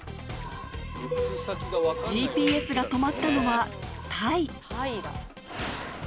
ＧＰＳが止まったのはタイだ。